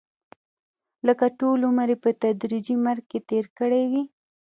لکه ټول عمر یې په تدریجي مرګ کې تېر کړی وي.